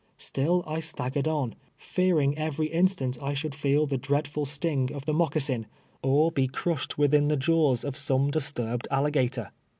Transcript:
Still I staggered on, fearing every instant I should feel the dreadful sting of the moccasin, or be crushed within the jaws of some disturbed alligator.